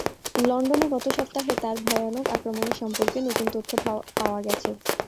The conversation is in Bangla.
লন্ডনে গত সপ্তাহে তার ভয়ানক আক্রমণের সম্পর্কে নতুন তথ্য পাওয়া গেছে।